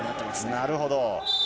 なるほど。